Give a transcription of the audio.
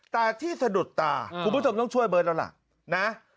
แต่ที่สะดุดตาคุณผู้ชมต้องช่วยเบิร์ตแล้วล่ะนะ